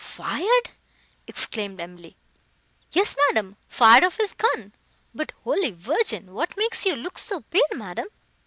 "Fired!" exclaimed Emily. "Yes, madam, fired off his gun; but, Holy Virgin! what makes you look so pale, madam?